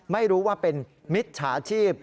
ไม่รู้ว่าเป็นมิจฉาชีพ